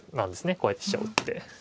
こうやって飛車を打って。